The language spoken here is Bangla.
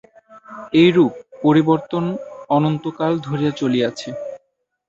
এইরূপ পরিবর্তন অনন্তকাল ধরিয়া চলিয়াছে।